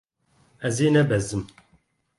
Ez ê nebezim.